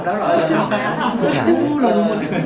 บอกทุกท่านเลย